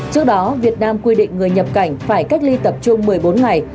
trước đó việt nam quy định người nhập cảnh phải cách ly tập trung một mươi bốn ngày